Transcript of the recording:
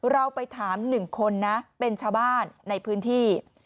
เราไปถาม๑คนนะเป็นชาวบ้านในพื้นที่